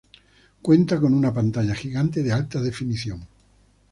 Cuenta con una pantalla gigante de alta definición.